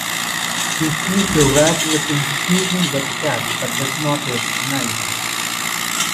He sees the ragged-looking, sneezing wet cat but does not recognize her.